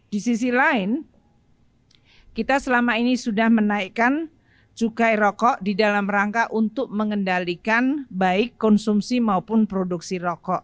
di sisi lain kita selama ini sudah menaikkan cukai rokok di dalam rangka untuk mengendalikan baik konsumsi maupun produksi rokok